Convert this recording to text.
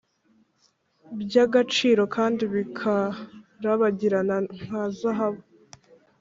by’agaciro kandi bika rabagirana nka zahabu